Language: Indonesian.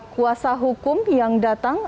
kuasa hukum yang datang